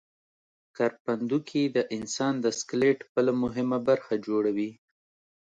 کرپندوکي د انسان د سکلیټ بله مهمه برخه جوړوي.